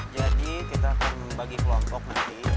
jadi kita akan bagi kelompok nanti